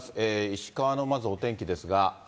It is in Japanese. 石川のまず、お天気ですが。